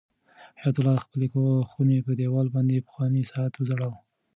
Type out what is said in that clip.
حیات الله د خپلې خونې په دېوال باندې پخوانی ساعت وځړاوه.